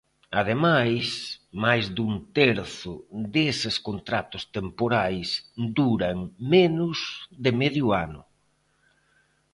Ademais, máis dun terzo deses contratos temporais duran menos de medio ano.